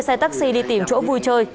xe taxi đi tìm chỗ vui chơi